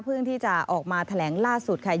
เพื่อที่จะออกมาแถลงล่าสุดค่ะ